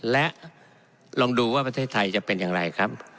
และลองดูว่าประเทศไทยจะเป็นอย่างไรครับ